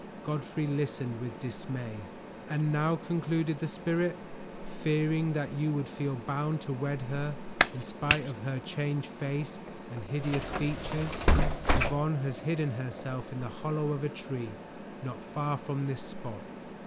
Godfrey listened with dismay. "And now," concluded the Spirit, "fearing that you would feel bound to wed her in spite of her changed face and hideous features, Yvonne has hidden herself in the hollow of a tree not far from this spot.